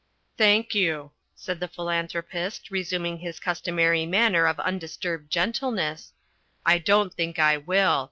"Thank you," said The Philanthropist, resuming his customary manner of undisturbed gentleness, "I don't think I will.